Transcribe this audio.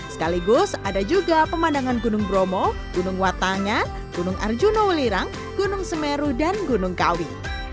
sekaligus ada juga pemandangan gunung bromo gunung watangga gunung arjuna welirang gunung semeru dan gunung kawi